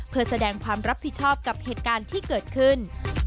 เพื่อแสดงความรับผิดชอบกับเหตุการณ์ที่เกิดขึ้น